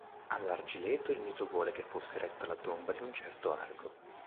All'Argileto il mito vuole che fosse eretta la tomba di un certo Argo.